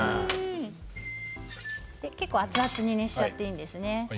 結構、熱々に熱していいですね。